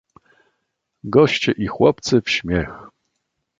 "Goście i chłopcy w śmiech."